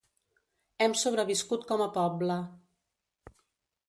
Hem sobreviscut com a poble.